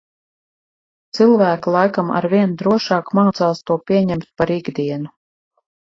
Cilvēki laikam arvien drošāk mācās to pieņemt par ikdienu.